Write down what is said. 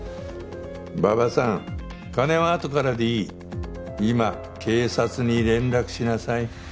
馬場さん金は後からでいい今警察に連絡しなさい。